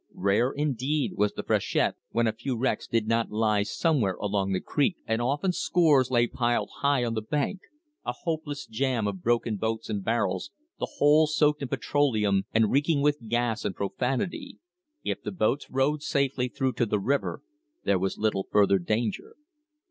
Rare indeed was the freshet when a few wrecks did not lie some where along the creek, and often scores lay piled high on the bank — a hopeless jam of broken boats and barrels, the whole soaked in petroleum and reeking with gas and pro fanity. If the boats rode safely through to the river, there was little further danger.